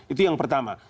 itu yang pertama